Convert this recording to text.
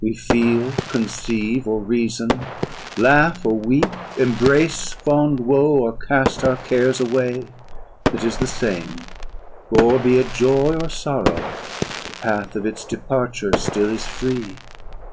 We feel, conceive, or reason; laugh or weep, Embrace fond woe, or cast our cares away; It is the same: for, be it joy or sorrow, The path of its departure still is free.